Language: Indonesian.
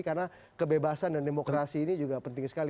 karena kebebasan dan demokrasi ini juga penting sekali